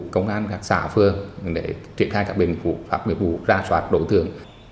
công an các xã phương để triển khai các đối nghiệp vụ ra soát đối tượng